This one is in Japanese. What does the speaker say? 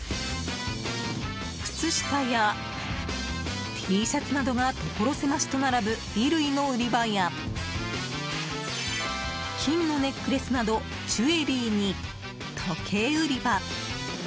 靴下やＴシャツなどがところ狭しと並ぶ衣類の売り場や金のネックレスなどジュエリーに時計売り場。